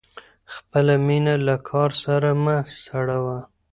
خپله مینه له کار سره مه سړوه.